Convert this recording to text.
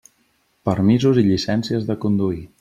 Permisos i llicencies de conduir.